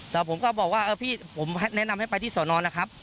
แต่ผมก็บอกว่าเออพี่ผมแนะนำให้ไปที่สอนอนนะครับ